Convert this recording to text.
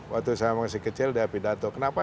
waktu saya masih kecil dia pidato kenapa